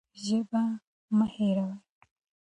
ژبه مه هېروئ.